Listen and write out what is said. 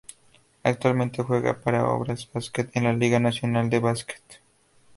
Actualmente juega para Obras Basket en la Liga Nacional de Básquet.